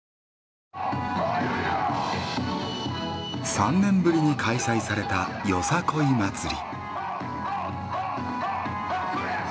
３年ぶりに開催されたよさこい祭り。